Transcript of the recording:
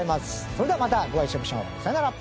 それではまたお会いしましょう。さようなら！